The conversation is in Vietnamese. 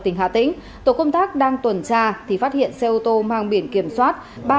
tỉnh hà tĩnh tổ công tác đang tuần tra thì phát hiện xe ô tô mang biển kiểm soát ba mươi tám a bốn mươi hai nghìn bốn trăm sáu mươi sáu